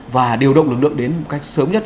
và điều động lực lượng đến cách sớm nhất